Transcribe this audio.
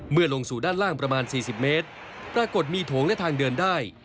ลงสู่ด้านล่างประมาณ๔๐เมตรปรากฏมีโถงและทางเดินได้